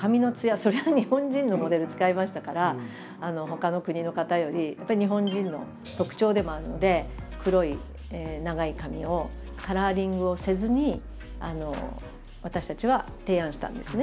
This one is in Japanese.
そりゃ日本人のモデル使いましたからほかの国の方よりやっぱり日本人の特徴でもあるので黒い長い髪をカラーリングをせずに私たちは提案したんですね